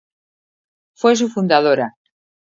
Fue su fundadora.